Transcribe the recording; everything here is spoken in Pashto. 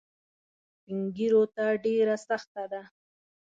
سپین ږیرو ته ډېره سخته ده.